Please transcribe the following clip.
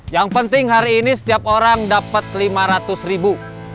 yang penting hari ini setiap orang dapat lima ratus ribu